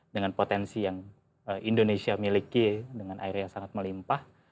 dengan potensi yang indonesia miliki dengan air yang sangat melimpah